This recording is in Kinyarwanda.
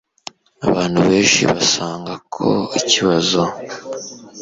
Abantu benshi basanga ko ikibazo